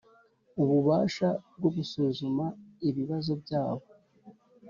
ububasha bwo gusuzuma ibibazo byabo